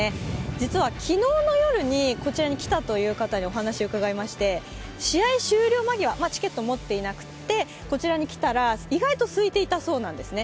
実は昨日の夜にこちらに来たという方にお話を伺いまして試合終了間際、チケットを持っていなくて、こちらに来たら、意外とすいていたそうなんですね。